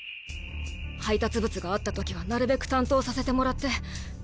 配達物があったときはなるべく担当させてもらって。